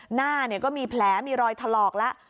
หน้าก็มีแผลมีรอยถลอกแล้ว